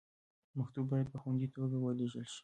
مکتوب باید په خوندي توګه ولیږل شي.